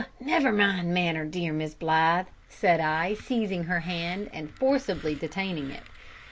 never mind manner, dear Miss Blythe," said I, seizing her hand, and forcibly detaining it.